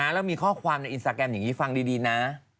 แล้วมีข้อความในอินสตาแกรมอย่างนี้ฟังดีนะ